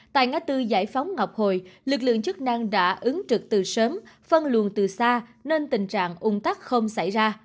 tại ngã tư giải phóng ngọc hồi lực lượng chức năng đã ứng trực từ sớm phân luồng từ xa nên tình trạng ung tắc không xảy ra